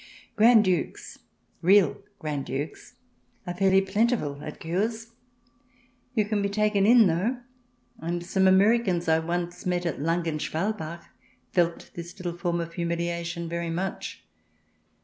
Grand Dukes — real Grand Dukes — are fairly plentiful at Cures. You can be taken in, though, and some Americans I once met at Langen Schwal bach felt this little form of humiliation very much. CH.